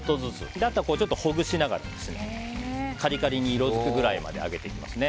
あとはほぐしながらカリカリに色づくぐらいまで揚げていきますね。